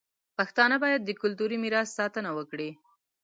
پښتانه باید د کلتوري میراث ساتنه وکړي.